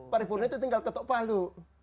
pari purna itu tinggal tetok palu